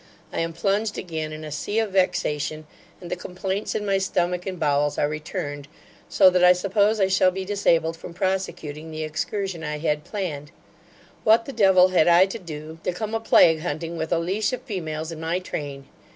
I am plunged again in a sea of vexation, and the complaints in my stomach and bowels are returned; so that I suppose I shall be disabled from prosecuting the excursion I had planned What the devil had I to do, to come a plague hunting with a leash of females in my train?